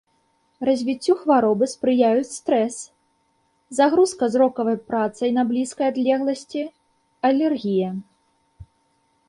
Развіццю хваробы спрыяюць стрэс, загрузка зрокавай працай на блізкай адлегласці, алергія.